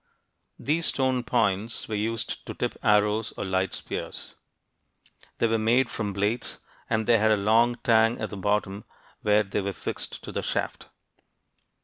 These stone points were used to tip arrows or light spears. They were made from blades, and they had a long tang at the bottom where they were fixed to the shaft.